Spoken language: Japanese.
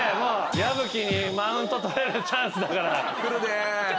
矢吹にマウントとれるチャンスだから。